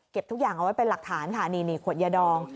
ทุกอย่างเอาไว้เป็นหลักฐานค่ะนี่ขวดยาดอง